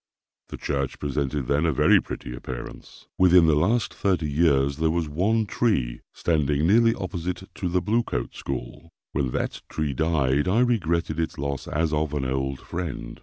The church presented then a very pretty appearance. Within the last thirty years there was one tree standing nearly opposite to the Blue Coat School. When that tree died, I regretted its loss as of an old friend.